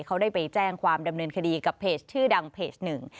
เขาได้ไปแจ้งความดำเนินคดีกับเพจชื่อดังเพจหนึ่ง